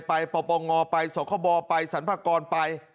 ปปงไปสคบไปสพกไป